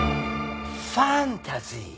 ファンタジー。